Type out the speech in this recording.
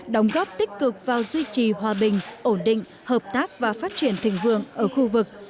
đóng góp tích cực vào duy trì hòa bình ổn định hợp tác và phát triển thịnh vượng ở khu vực